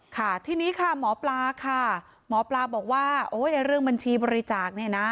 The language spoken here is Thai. ค่ะทีนี้ค่ะหมอปลาค่ะหมอปลาบอกว่าโอ้ยเรื่องบัญชีบริจาคเนี่ยนะ